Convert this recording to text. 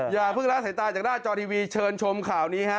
อย่าเพิ่งละสายตาจากหน้าจอทีวีเชิญชมข่าวนี้ฮะ